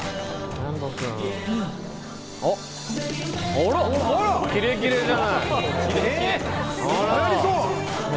あら、キレキレじゃない！